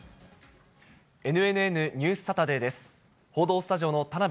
ＮＮＮニュースサタデーです。